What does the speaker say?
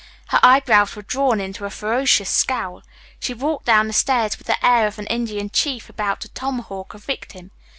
Her eyebrows were drawn into a ferocious scowl. She walked down the stairs with the air of an Indian chief about to tomahawk a victim.